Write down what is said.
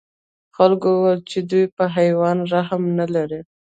خلکو وویل چې دوی په حیوان رحم نه لري.